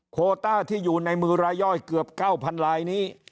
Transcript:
โคต้าที่อยู่ในมือรายย่อยเกือบ๙๐๐ลายนี้